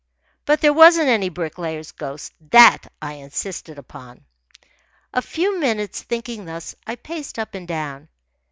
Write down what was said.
But there wasn't any Bricklayer's ghost that I insisted upon. A few minutes, thinking thus, I paced up and down.